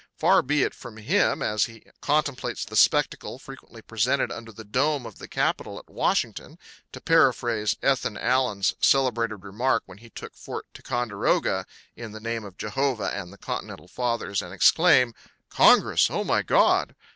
Far be it from him, as he contemplates the spectacle frequently presented under the dome of the Capitol at Washington, to paraphrase Ethan Allen's celebrated remark when he took Fort Ticonderoga in the name of Jehovah and the Continental fathers and exclaim: "Congress oh, my God!"